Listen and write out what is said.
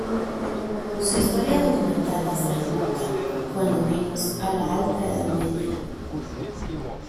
Su historia documentada se remonta, cuando menos, a la Alta Edad Media.